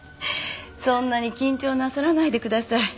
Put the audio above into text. そんなに緊張なさらないでください。